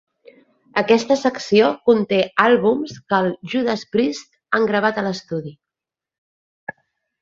Aquesta secció conté àlbums que els "Judas Priest" han gravat a l'estudi.